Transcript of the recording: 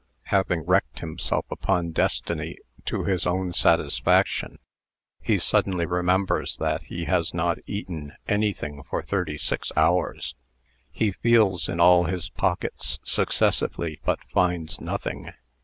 Having wreaked himself upon Destiny to his own satisfaction, he suddenly remembers that he has not eaten anything for thirty six hours. He feels in all his pockets successively, but finds nothing.